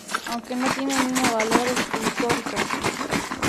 Aunque no tiene el mismo valor escultórico.